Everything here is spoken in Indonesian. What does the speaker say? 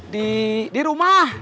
di di rumah